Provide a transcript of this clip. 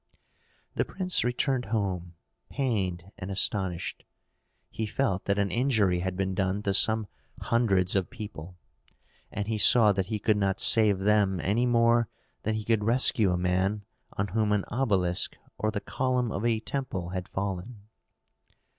The prince returned home pained and astonished. He felt that an injury had been done to some hundreds of people, and he saw that he could not save them any more than he could rescue a man on whom an obelisk or the column of a temple had fallen.